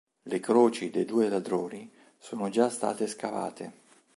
Le croci dei due ladroni sono già state scavate.